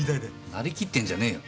なりきってんじゃねえよ。